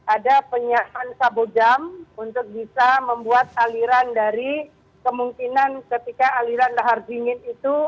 ada penyiapan sabodam untuk bisa membuat aliran dari kemungkinan ketika aliran lahar dingin itu